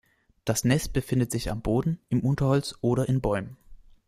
Das Nest befindet sich am Boden, im Unterholz oder in Bäumen.